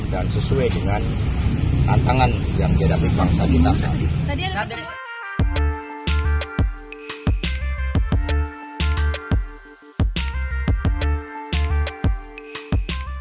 dan sesuai dengan tantangan yang didapati bangsa kita saat ini